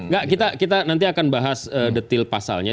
nggak kita nanti akan bahas detail pasalnya